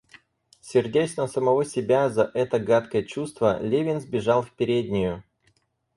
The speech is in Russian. Сердясь на самого себя за это гадкое чувство, Левин сбежал в переднюю.